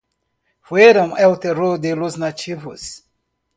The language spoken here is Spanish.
Fueron el terror de los nativos.